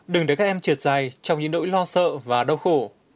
đừng để các em trượt dài trong những nỗi lo sợ và đau khổ